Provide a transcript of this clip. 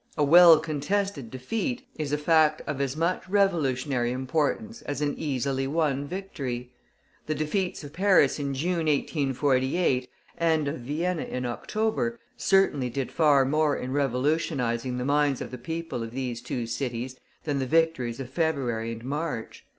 A well contested defeat is a fact of as much revolutionary importance as an easily won victory. The defeats of Paris in June, 1848, and of Vienna in October, certainly did far more in revolutionizing the minds of the people of these two cities than the victories of February and March.